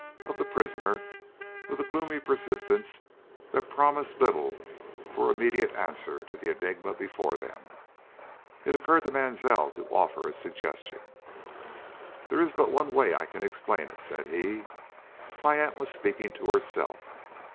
of the prisoner, with a gloomy persistence that promised little for an immediate answer to the enigma before them. It occurred to Mansell to offer a suggestion. "There is but one way I can explain it," said he. "My aunt was speaking to herself.